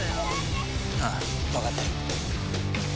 あぁ分かってる。